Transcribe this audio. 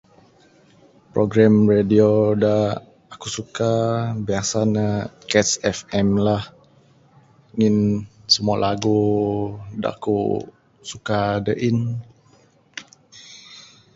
Program radio dak aku suka biasa nek cats FM lah ngin semua lagu dak ku suka dak in.